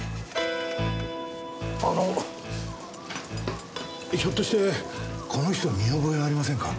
あのひょっとしてこの人見覚えありませんか？